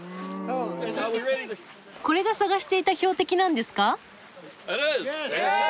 これが探していた標的なんですか？